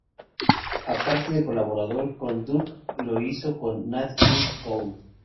Aparte de colaborar con Duke, lo hizo con Nat King Cole.